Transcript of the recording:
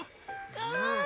かわいい！